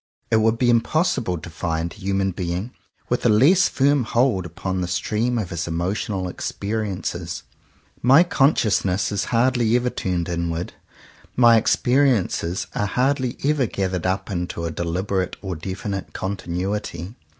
It would be impossible to find a human being with a less firm hold upon the stream of his emotional experiences. My consciousness is hardly ever turned inward: my exper iences are hardly ever gathered up into a de liberate or definite continuity.